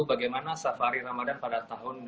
bagaimana safari ramadan pada tahun